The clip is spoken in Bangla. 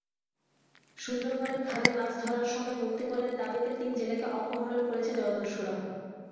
সুন্দরবনের খালে মাছ ধরার সময় মুক্তিপণের দাবিতে তিন জেলেকে অপহরণ করেছে জলদস্যুরা।